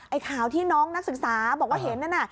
ข่าวที่น้องนักศึกษาบอกว่าเห็นนั่นน่ะ